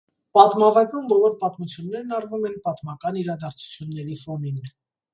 Պատմավեպում բոլոր պատմություններն արվում են պատմական իրադարձությունների ֆոնին։